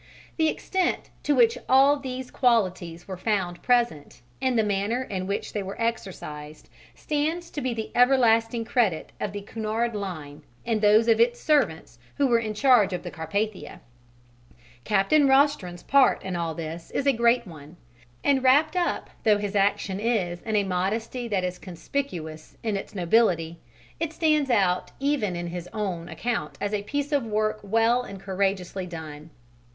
The extent to which all these qualities were found present and the manner in which they were exercised stands to the everlasting credit of the Cunard Line and those of its servants who were in charge of the Carpathia. Captain Rostron's part in all this is a great one, and wrapped up though his action is in a modesty that is conspicuous in its nobility, it stands out even in his own account as a piece of work well and courageously done.